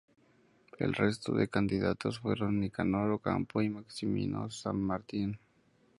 El resto de candidatos fueron Nicanor Ocampo y Maximino Sanmartín.